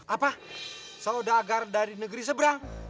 apa saudagar dari negeri seberang